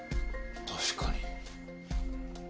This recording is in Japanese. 確かに。